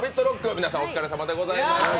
皆さんお疲れさまでございました。